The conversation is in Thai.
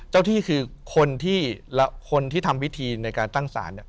ที่คือคนที่คนที่ทำวิธีในการตั้งศาลเนี่ย